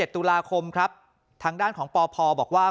๑๕๑๗ตุลาคมทางด้านของปพบอกว่า